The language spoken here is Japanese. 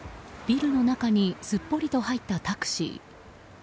ビルの中にすっぽりと入ったタクシー。